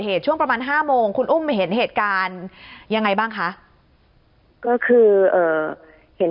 ช่วงประมาณ๕โมงคุณอุ้มเห็นเหตุการณ์ยังไงบ้างคะก็คือเห็น